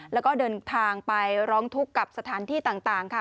แล้วก็เดินทางไปร้องทุกข์กับสถานที่ต่างค่ะ